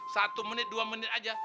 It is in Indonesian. satu menit dua menit aja